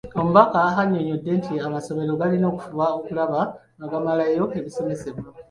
Omubaka yannyonnyodde nti amasomero galina okufuba okulaba nga gamalayo ebisomesebwa.